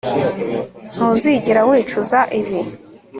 Ntuzigera wicuza ibi